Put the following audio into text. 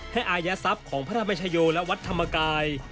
ให้อายัดทรัพย์ของพระธรรมชายโยและวัดพระธรรมกาย